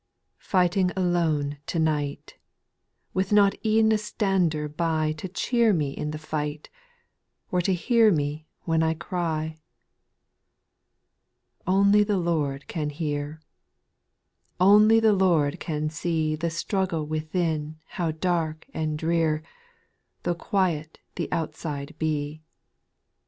/ 5. Fighting alone to night, — With not e'en a stander by To cheer me in the fight, Or to hear me when I cry. 6. / Only the Lord can hear, — Only the Lord can see The struggle witbrnYiO w ^"WtV «si^ ^^^ax^ Though (Juiet tlie bViUKde \ife.